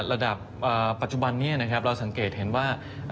ระดับปัจจุบันนี้นะครับเราสังเกตเห็นว่า